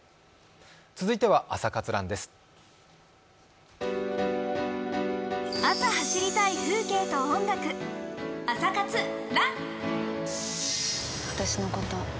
続いては「朝活ＲＵＮ」です。